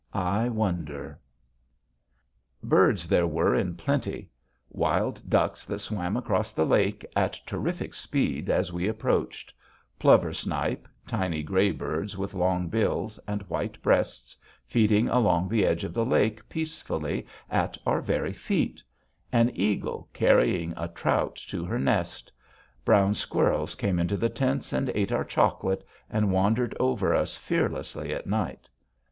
I wonder. [Illustration: The horses in the rope corral] Birds there were in plenty; wild ducks that swam across the lake at terrific speed as we approached; plover snipe, tiny gray birds with long bills and white breasts, feeding along the edge of the lake peacefully at our very feet; an eagle carrying a trout to her nest. Brown squirrels came into the tents and ate our chocolate and wandered over us fearlessly at night.